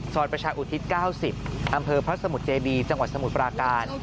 สวรรค์ประชาอุทิศเก้าสิบอำเภอพระสมุทรเจดีจังหวัดสมุทรปราการ